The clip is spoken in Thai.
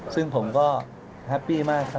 ซึ่งผมก็แฮปปี้มากครับ